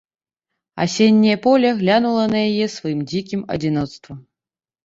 Асенняе поле глянула на яе сваім дзікім адзіноцтвам.